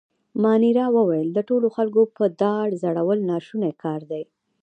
مانیرا وویل: د ټولو خلکو په دار ځړول ناشونی کار دی.